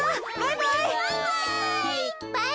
バイバイ。